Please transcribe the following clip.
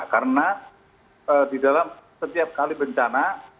karena di dalam setiap kali bencana